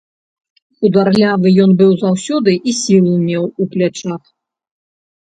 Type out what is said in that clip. Хударлявы ён быў заўсёды і сілу меў у плячах.